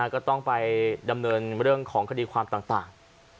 ก็ต้องไปดำเนินเรื่องของคดีความต่าง